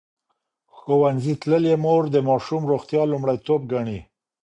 ښوونځې تللې مور د ماشوم روغتیا لومړیتوب ګڼي.